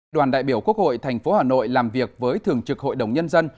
đoàn đại biểu quốc hội tp hà nội làm việc với thường trực hội đồng nhân dân